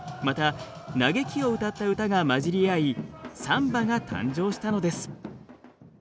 また嘆きを歌った歌が混じり合いサンバが誕生したのです。